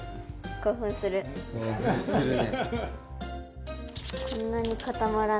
興奮するね。